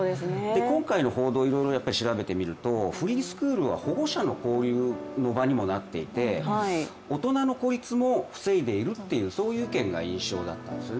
今回の報道をいろいろ調べてみるとフリースクールは保護者の交流の場にもなっていて大人の孤立も防いでいる、そういう意見も印象だったんですよね。